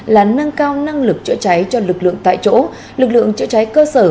là nâng cao năng lực chữa cháy cho lực lượng tại chỗ lực lượng chữa cháy cơ sở